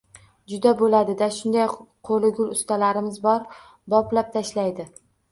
— Juda bo‘ladi-da! Shunday qo‘li gul ustalarimiz bor, boplab tashlaydi.